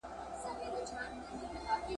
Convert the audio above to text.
مورنۍ ژبه څنګه د زده کړې پوښتنې زياتوي؟